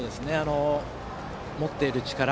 持っている力